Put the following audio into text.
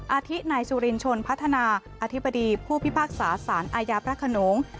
อาทินายสุรินชนพัฒนาอธิบดีผู้พิพากษาสารอาญาพระขนง